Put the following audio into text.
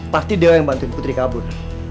pasti dia yang bantuin putri kabur